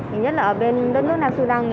hình nhất là ở bên đất nước nam sudan